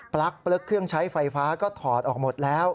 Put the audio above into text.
ลั๊กเครื่องใช้ไฟฟ้าก็ถอดออกหมดแล้ว